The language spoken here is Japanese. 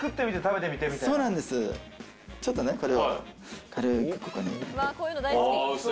ちょっとこれを軽く、ここに。